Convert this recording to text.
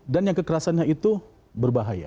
yang kekerasannya itu berbahaya